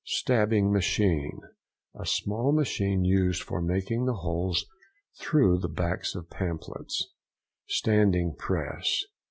STABBING MACHINE.—A small machine used for making the holes through the backs of pamphlets. STANDING PRESS.